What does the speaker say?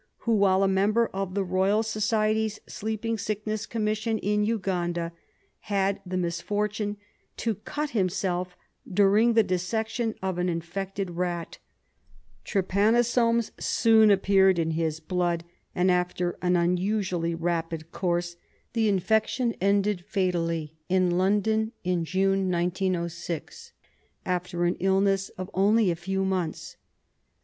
who, while a member of the Eoyal Society's Sleeping Sickness Commission in Uganda, had the misfortune to cut himself during the dissection of an infected rat. Trypanosomes soon appeared in his blood, and, after an unusually rapid course, the infection ended fatally in RESEARCH DEFENCE SOCIETY London in June, 1906, after an illness of only a few months.